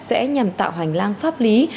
sẽ nhằm tạo hoành lang pháp lý